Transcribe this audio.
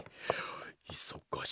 いそがし